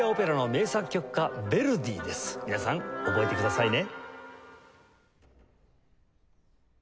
皆さん覚えてくださいね。